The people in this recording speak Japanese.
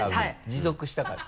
持続したかった？